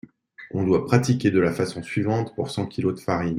On doit pratiquer de la façon suivante pour cent kilos de farine.